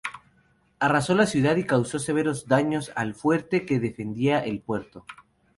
Arrasó la ciudad y causó severos daños al fuerte que defendía el puerto.